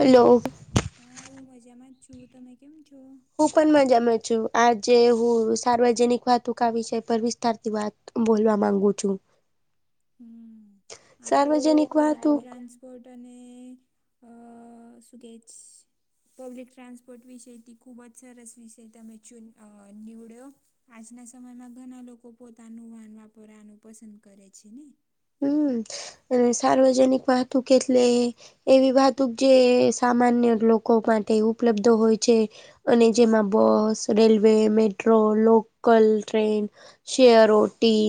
Hello હા હું મજામાં જ છું, તમે કેમ છો? હું પણ મજામાં છું, આ જે હું સાર્વજનિક વાતુ કાવી છે, પર વિસ્તારથી વાત બોલવા માંગુ છું, હમ્મ, આ તો સાર્વજનિક પ્રાઈવેટ વાહતુક ટ્રાન્સ સ્પોટ અને સુગેજ પબ્લિક ટ્રાન્સપોર્ટ વિશેથી ખૂબ જ સરસ વિશે તમે ચુન નીવડ્યો, આજના સમયમાં ઘણા લોકો પોતાનું વાહન વાપરવાનું પસંદ કરે છે ને, હમ્મ, અને સાર્વજનિક વાહતુ કેટલે એવી વાતુકે જે સામાન્ય લોકો માટે ઉપલબ્ધ હોય છે, અને જેમાં bus railway metro local train share રોટી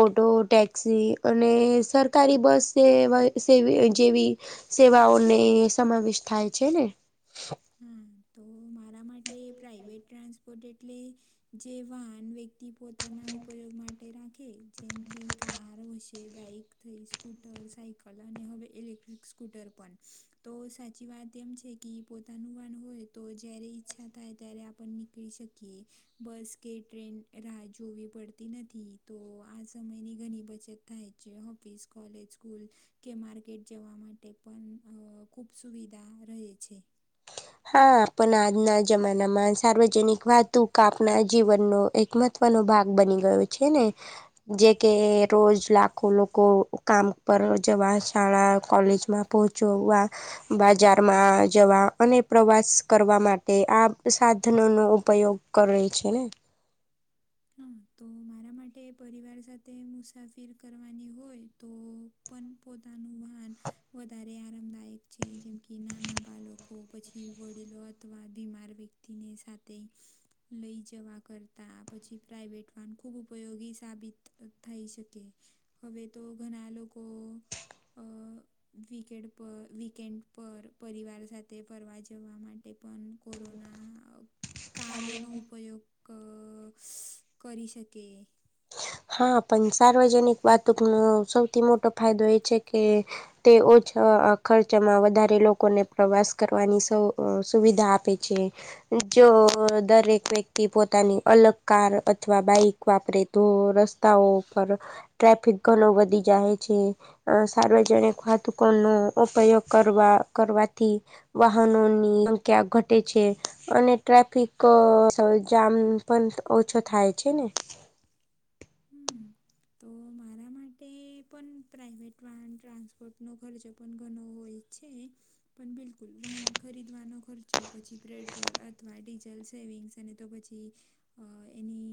ઓટો ટેક્સી અને સરકારી બસ સેવાય સેવી જેવી સેવાઓ ને સમાવેશ થાય છે ને, એ માટે પ્રાાઈવેટ ટ્રાન્સપોર્ટ એટલે જે વાહન વ્યક્તિ પોતાના ઉપયોગ માટે રાખે જેમ કે કાર હશે બાઈક થઈ સ્કૂટર સાયકલ અને હવે ઇલેક્ટ્રિક સ્કૂટર પણ તો સાચી વાત એમ છે, કે પોતાનું વાન હોય તો જ્યારે ઈચ્છા થાય ત્યારે આપન નીકળી શકીએ, બસ કે ટ્રેન રાહ જોવી પડતી નથી તો આ સમયની ઘણી બચત છે હોફીસ કૉલેજ સ્કૂલ કે માર્કેટ જવા માટે પણ અ ખુબ સુવિધા રહે છે, હા, આપણ આજના જમાના માં સાર્વજનિક વાતુ કાપના જીવનનો એકમત ઉપર નો ભાગ બની ગયો છે ને, જે કે રોજ લાખો લોકો કામ પર જવા શાળા કોલેજમાં પહોચવા બજારમાં જવા અને પ્રવાસ કરવા માટે આ સાધનોનો ઉપયોગ કરે છે ને, હ તો મારા માટે પરિવાર સાથે મુસાફિર કરવાની હોય તો, પણ પોતાનું વાન વધારે આરામદાયક છે જેમ કે નાના બાલકો પછી વડીલો અથવા બીમાર વ્યક્તિ ને સાથે લઈ જવા કરતા પછી પ્રાઇવેટ ખુબ ઉપયોગી સાબિત થઈ શકે. હવે તો ઘણા લોકો અ વિકેડ પર વિકેન્ડ પર પરિવાર સાથે ફરવા જવા માટે પણ કોરોના કારોનો ઉપયોગ કરી શકે. હા પણ સાર્વજનિક વાતકનો સૌથી મોટો ફાયદો એ છે કે તે ઓછ ખર્ચમાં વધારે લોકોને પ્રવાસ કરવાની સ સુવિધા આપે છે. જો દરેક વ્યક્તિ પોતાની અલગ કાર અથવા બાઈક વાપરે તો રસ્તાઓ પર ટ્રાફિક ઘણો વધી જાય છે. અ સાર્વજનિક વાતુકો નો ઉપયોગ કરવા કરવાથી વાહનોની સંખ્યા ઘટે છે અને અ ટ્રાફિક જામ પણ ઓછો થાય છે ને. હમ તો હ મારા માટે પણ પ્રાઇવેટ વાહન ટ્રાન્સપોર્ટનો ખર્ચો પણ ઘણો હોય છે. પણ બિલકુલ વાહન ખરીદવાનો ખર્ચો પછી પેટ્રોલ અથવા ડીઝલ સેવિંગ્સ અને તો પછી અ એની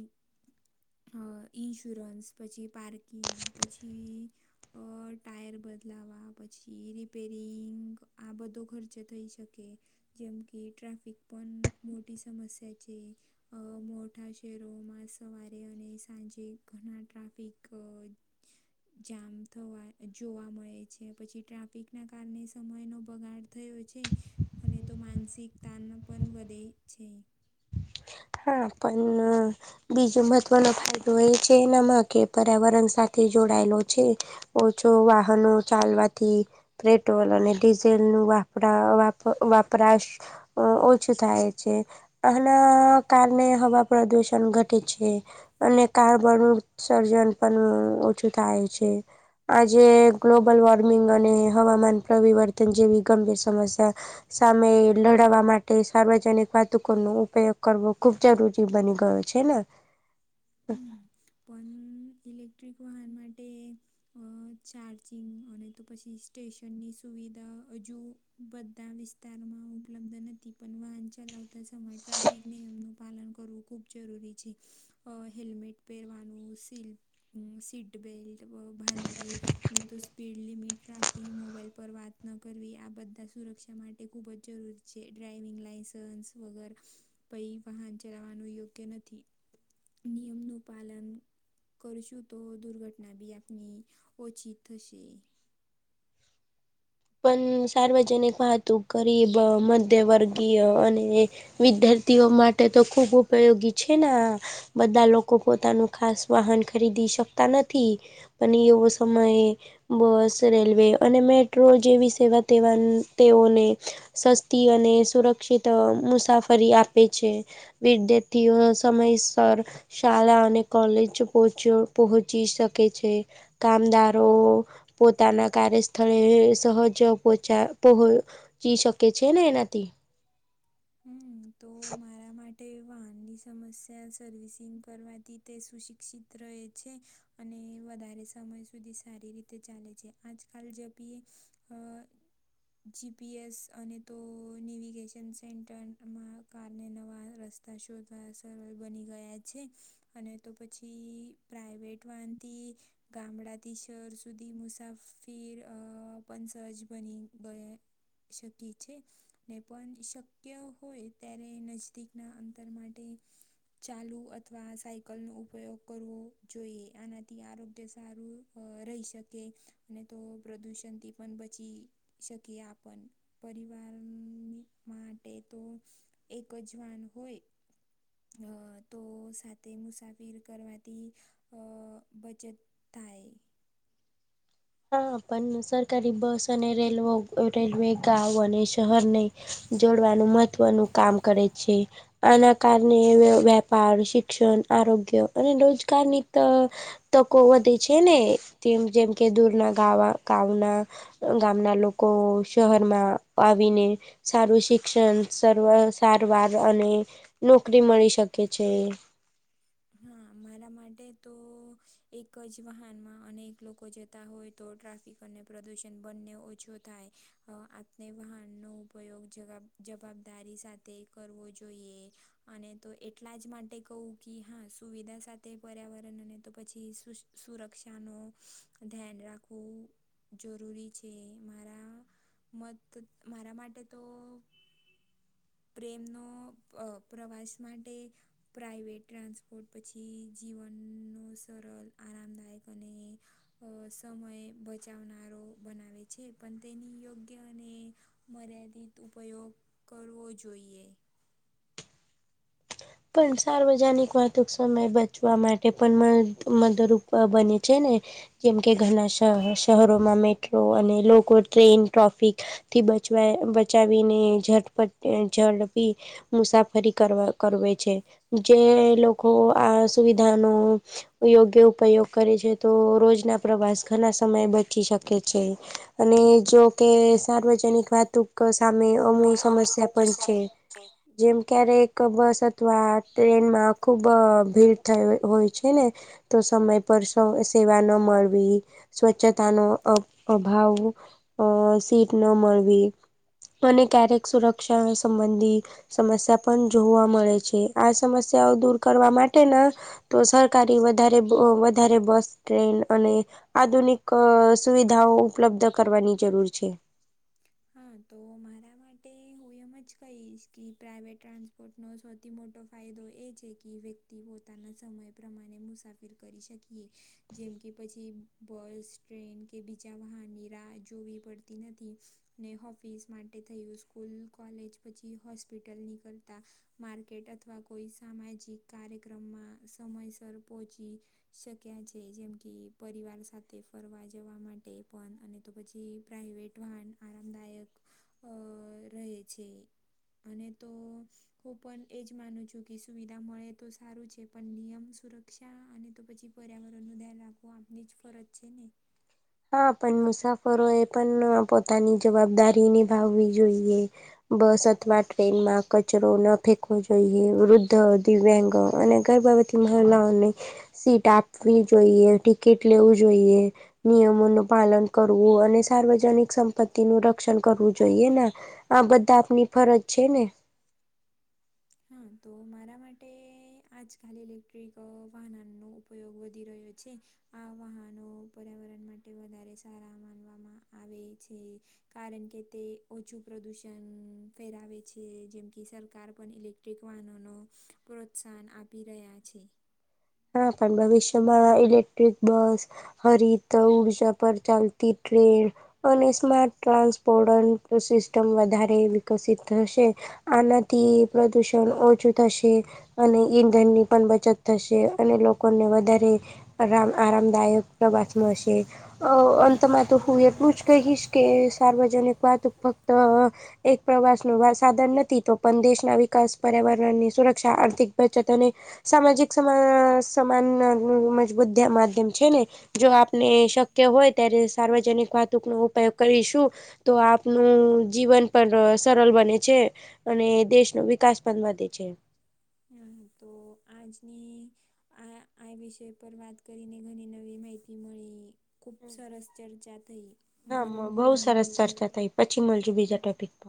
ઇન્સ્યોરન્સ પછી પાર્કિંગ પછી ટાયર બદલાવા પછી રિપેરિંગ આ બધો ખર્ચે થઈ શકે. જેમ કે ટ્રાફિક પણ મોટી સમસ્યા છે. અ મોટા શહેરોમાં સવારે અને સાંજે ઘણા ટ્રાફ પીક જામ થવા જોવા મળે છે પછી ટ્રાફિકના કારણે સમયનો બગાડ થયો છે અને તો માનસિક તણ પણ વધે છે. હા પણ બીજો મહત્વનો ફાયદો એ છે એનામાં કે પર્યાવરણ સાથે જોડાયેલો છે. ઓછો વાહનો ચાલવાથી પેટ્રોલ અને ડીઝલ નું વાપરાપ વાપરાશ અ ઓછું થાય છે. આના કારણે હવા પ્રદૂષણ ઘટે છે અને કારબન ઉત્સર્જન પણ ઓછું થાય છે. આજે ગ્લોબલ વોર્મિંગ અને હવામાન પરિવર્તન જેવી ગભીર સમસ્યા સામે લડવા માટે સાર્વજનિક વાતુકો ન ઉપયોગ કરવો ખૂબ જરૂરી બની ગયો છે ને હમ પણ ઇલેક્ટ્રિક વાહન માટે ચાર્જિંગ અને તો પછી સ્ટેશનની સુવિધા હજુ બધા વિસ્તારમાં ઉપલબ્ધ નથી પણ વાહન ચલાવતા આતા સમયે ટ્રાફિક નિયમનું પાલન કરવું ખૂબ જરૂરી છે હેલ્મેટ પહેરવાનું સીલ સીટબલ્ટ બાંધવી અને તો સ્પીડ લિમિટ રાખવી મોબાઈલ પર વાત ન કરવી આ બધા સુરક્ષા માટે ખુબ જ જરૂરી જે ડ્રાઈવિંગ લાઈસન્સ વગર કઈ વાહન ચલાવવાનું યોગ્ય નથી. હમ નિયમનું પાલન કરશું તો દુર્ઘટના બી આપની ઓછી થશે. પણ સાર્વજનિક વાહતુક ગરીબ મધ્યવર્ગીય અને વિદ્યાર્થીઓ માટે તો ખૂબ ઉપયોગી છે ને બધા લોકો પોતાનું ખાસ વાહન ખરીદી શકતા નથી. પણ એવો સમયે બસ રેલવે અને મે પેટ્રોલ જેવી સેવાવા તેઓને સસ્તી અને સુરક્ષિત મુસાફરી આપે છે. વિદ્યાર્થીઓ સમયસર શાળા અને કોલેજ પહચ પહોચી શકે છે કામદારો પોતાના કાર્યસ્થળ સહજહચા પહચી શકે છે ને એનાથી હમ તો મારા માટે વાહનની સમસ્યા સર્વિસિંગ કરવાથી તે સુશિક્ષિત રહે છે અને વધારે સમય સુધી સારી રીતે ચાલે છે આજકાલ જેપી જીપીએસ અને તો નેવિગેશન છે સેન્ટમાં કારને નવા રસ્તા શોધવા સરળ બની ગયા છે અને તો પછી પ્રાઇવેટ વાનથી ગામડાથી શર સુધી મુસાફિર અ પણ સહજ બની ગયો શકી છે ને પણ શક ક હોય ત્યારે નજદીકના અંતર માટે ચાલુ અથવા સાયકલ નો ઉપયોગ કરવો જોઈએ આનાથી આરોગ્ય સારું રહી શકે અને તો પ્રદૂષણથી પણ બચી શકી આપણ પરિવાર માટે તો એક જવાન હોય અ તો સાથે મુસાફિર કરવાથી અ બચત થાય હા પણ સરકારી બસ અને રેલવો રેલવે ગાવ અને શહેર ન જોડવાનું મહત્વનું કામ કરે છે આના કારણે વેપાર શિક્ષણ આરોગ્ય અને રોજગારની ત તકો વધે છે ને તેમ જેમ કે દૂરના ગા ગામના ગામના લોકો શહેરમાં આવીને સારું શિક્ષણ, સ સારવાર અને નોકરી મળી શકે છે. હા મારા માટે તો એક જ વાહનમાં અને એક લોકો જતા હોય તો ટ્રાફિક અને પ્રદૂષણ બંને ઓછો થાય. આપને વાહનનો ઉપયોગ જગ જવાબદારી સાથે કરવો જોઈએ અને તો એટલા જ માટે કહ કે હા સુવિધા સાથે પર્યાવરણને તો પછી સુરક્ષાનો ધ્યાન રાખવું જરૂરી છે. મારા મત મારા માટે તો પ્રેમનો પ્રવાસ માટે પ્રાઇવેટ ટ્રાન્સપોર્ટ પછી જીવનનો સરળ આરામદાયક અને અ સમય બચાવનારો બનાવે છે પણ તેની યોગ્ય અને મર્યાદિત ઉપયોગ કરવો જોઈએ. પણ સાર્વજનિક વાતુક સમય બચવા માટે પણ મદરૂપ બને છે ને જેમ કે ઘણા શહ શહેરોમાં મેટ્રો અને લોકો ટ્રેન ટ્રોફિક થી બચ બચાવીનેઝપ ઝડપી મુસાફરી કરવા કરવે છે. જે લોકો આ સુવિધાનો યોગ્ય ઉપયોગ કરે છે તો રોજ ના પ્રવાસ ઘણા સમયે બચી શકે છે. અને જોકે સાર્વજનિક વાતુ સામે અમુ સમસ્યા પણ છે જેમ ક્યારેક બસ તો આ ટ્રેનમાં ખુબ ભીડ થઈ હોય છે ને તો સમય પર સેવા ન મળવી સ્વચ્છતા નો અભાવ અ સીટ ન મળવી અને ક્યારેક સુરક્ષા સંબંધી સમસ્યા પણ જોવા મળે છે. આ સમસ્યા દૂર કરવા માટે ના તો સરકારી વધારે વધારે બસ ટ્રેન અને આધુનિક સુવિધાઓ ઉપલબ્ધ કરવાની જરૂર છે. હા તો મારા માટે હું એમ જ કહીશ કે પ્રાઇવેટ ટ્રાન્સપ ફોટનો સૌથી મોટો ફાયદો એ છે કે વ્યક્તિ પોતાના સમય પ્રમાણે મુસાફિર કરી શકીએ. જેમ કે પછી બસ, ટ્રેન કે બીજા વાહનની રાહ જોવી પડતી તી નાથી. ને ઓફિસ માટે થયું સ્કૂલ, કોલેજ પછી હોસ્પિટલ નીકળતા માર્કેટ અથવા કોઈ સામાજિક કાર્યક્રમમાં સમયસર પહોચી શક્યા છે. જેમ કે પરિવાર સાથે ફરવા જવા માટે પણ અને તો પછી પ્રાઇવેટ વાહન આરામદાયક અ રહે છે. અને તો હું પણ એજ માનું છું કે સુવિધા મળે તો સારું છે પણ નિયમ સુર રક્ષા અને તો પછી પર્યાવરણ ન ધ્યાન રાખવું આપની જ ફરજ છે ને? હા પણ મુસાફરો એ પણ પોતાની જવાબદારીને ભાવવી જોઈએ. બસ અથવા ટ્રેનમાં કચરો ન ફેંકવો જોઈએ. વૃદ્ધ, દિવ્યાંગ અને ગર બાબત મહિલાઓને સીટ આપવી જોઈએ ટિકિટ લેવું જોઈએ નિયમોનું પાલન કરવું અને સાર્વજનિક સંપત્તિ નું રક્ષણ કરવું જોઈએ ને. આ બધા આપની ફરજ છે ને? હમ, તો મારા માટે આજકાલ ઇલેક્ટ્રિક વાહનનો ઉપયોગ વધી રહ્યો છે. આ વાહનો પર્યાવરણ માટે વધારે સારા માનવામાં આવે છે. કારણ કે તે ઓછું પ્રદુષણ ફેરાવે છે, જેમ કે સરકાર પણ ઇલેક [unintelligible] કવાનોનો પ્રોત્સાહન આપી રહ્યા છે. હા પણ ભવિષ્યમાં એલેક્ટ્રિક બસ હરી તો ઉર્જા પર ચાલતી ટ્રેન અને સ્માર્ટ ટ્રાન્સપોર્ટ સિસ્ટમ વધારે વિકસિત થશે. આનાથી પ્રદુષણ ઓછું થશે અને ઈંધનની પણ બચત થશે. અને લોકોને વધારે આરામ આરામદાયક પ્રવાસમાં હશે, અ અંતમાં તો હું એટલું જ કહીશ, કે સાર્વજનિક વા તો ફક્ત એક પ્રવાસ ન સાધન નથી તો પણ દેશના વિકાસ પર્યાવરણની સુરક્ષા આર્થિક બચત અને સામાજિક સમાજ સમાન મજબૂત માધ્યમ છે ને જો આપને શક્ય હોય ત્યારે સાર્વજનિક વાતુક નો ઉપયોગ કરીશું. તો આપનું જીવન પણ સરળ બને છે. અને દેશનો વિકાસ પણ વધે છે. હા તો આજની આ આ વિષય પર વાત કરીને ઘણી નવી માહિતી મળી ખૂબ સરસ ચર્ચા થઈ હા મને પણ બહુ ખૂબ આનંદ સરસ થયો. ચર્ચા થઈ પછી મળજુ હા. બીજા ટોપિક પર